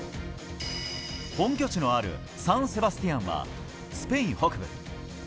本拠地のあるサン・セバスティアンはスペイン北部。